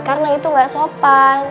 karena itu gak sopan